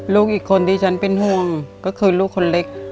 ลูกอีกคนที่ฉันเป็นห่วงก็คือลูกคนเล็ก